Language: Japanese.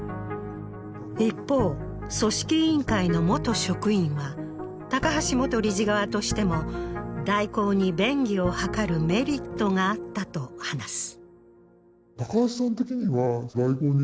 一方、組織委員会の元職員は高橋元理事側としても大広に便宜を図るメリットがあったと話す。